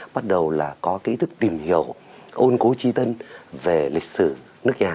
bắt đầu là có cái ý thức tìm hiểu ôn cố tri tân về lịch sử nước nhà